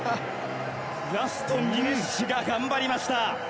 ラストミレッシが頑張りました。